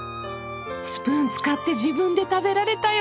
スプーン使って自分で食べられたよ！